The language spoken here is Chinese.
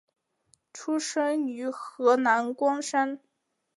出生于河南光山。